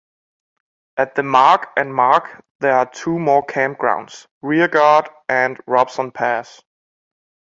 At the mark and mark there are two more campgrounds, Rearguard and Robson Pass.